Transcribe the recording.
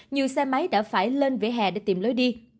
nhiều xe máy đã phải lên vỉa hè để tìm lối đi